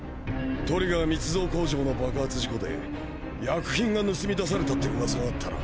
トリガー密造工場の爆発事故で薬品が盗み出されたって噂があったな。